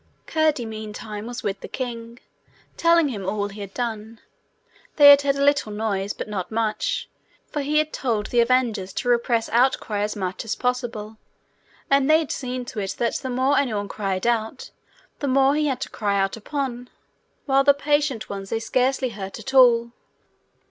Curdie meantime was with the king, telling him all he had done. They had heard a little noise, but not much, for he had told the avengers to repress outcry as much as possible; and they had seen to it that the more anyone cried out the more he had to cry out upon, while the patient ones they scarcely hurt at all.